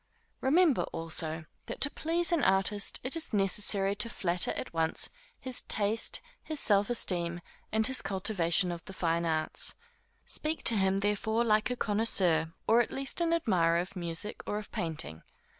Remember, also, that to please an artist, it is necessary to flatter at once his taste, his self esteem, and his cultivation of the fine arts. Speak to him therefore like a connoisseur, or at least an admirer of music, or of painting.